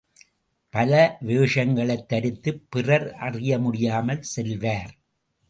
பல வேஷங்கள் தரித்துப் பிறர் அறியமுடியாமல் செல்வார்.